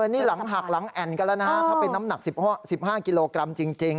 นี่หลังหักหลังแอ่นกันแล้วนะฮะถ้าเป็นน้ำหนัก๑๕กิโลกรัมจริง